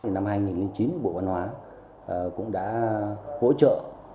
năm hai nghìn chín bộ văn hóa cũng đã hỗ trợ